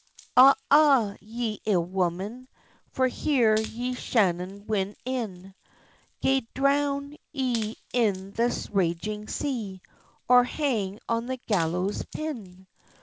"Awa, awa, ye ill woman, For here ye shanno win in; Gae drown ye in the raging sea, Or hang on the gallows pin."